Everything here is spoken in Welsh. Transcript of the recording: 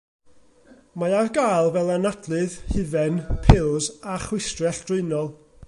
Mae ar gael fel anadlydd, hufen, pils, a chwistrell drwynol.